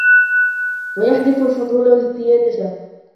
وَيَحْذِفُ الْفُضُولَ وَالزِّيَادَةَ